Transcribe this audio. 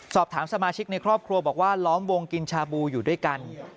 สอบถามสมาชิกในครอบครัวบอกว่าล้อมวงกินชาบูอยู่ด้วยกัน